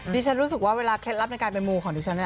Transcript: รู้สึกว่าเวลาเคล็ดลับในการไปมูของดิฉัน